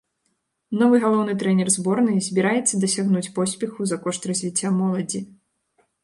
Новы галоўны трэнер зборнай збіраецца дасягнуць поспеху за кошт развіцця моладзі.